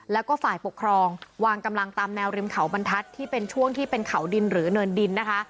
แล้วก็ฝ่ายปกครองวางกำลังตามแนวริมเขาบรรทัศน์ที่เป็นช่วงที่เป็นเขาดินหรือเนินดินนะคะ